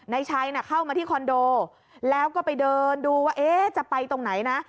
นายชัยเข้ามาที่คอนโดแล้วก็ไปเดินดูว่าจะไปตรงไหนนะ